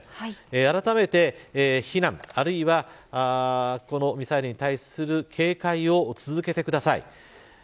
あらためて避難、あるいはこのミサイルに対する警戒を続けてください。